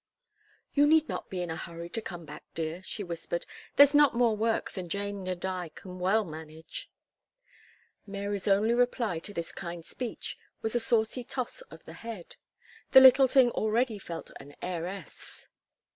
"You need not be in a hurry to come back, dear," she whispered; "there's not more work than Jane and I can well manage." Mary's only reply to this kind speech, was a saucy toss of the head. The little thing already felt an heiress.